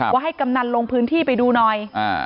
ว่าให้กำนันลงพื้นที่ไปดูหน่อย